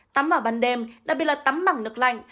tắm vào ban đêm đặc biệt là tắm mẳng nước lạnh